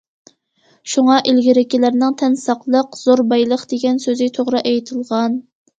شۇڭا ئىلگىرىكىلەرنىڭ‹‹ تەن ساقلىق— زور بايلىق›› دېگەن سۆزى توغرا ئېيتىلغان.